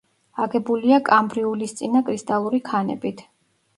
აგებულია კამბრიულისწინა კრისტალური ქანებით.